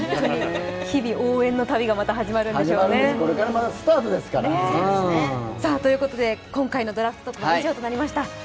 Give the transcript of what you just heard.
日々、応援の旅がまた始まるんでしょうね。ということで、今回のドラフトは以上となりました。